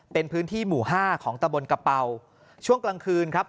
เป็นพื้นที่หมู่ห้าของตะบนกระเป๋าช่วงกลางคืนครับ